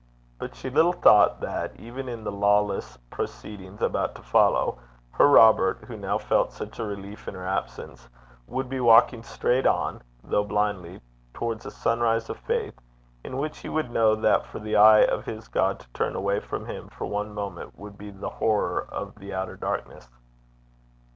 But she little thought that even in the lawless proceedings about to follow, her Robert, who now felt such a relief in her absence, would be walking straight on, though blindly, towards a sunrise of faith, in which he would know that for the eye of his God to turn away from him for one moment would be the horror of the outer darkness.